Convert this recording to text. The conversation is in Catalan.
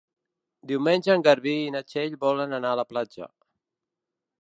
Diumenge en Garbí i na Txell volen anar a la platja.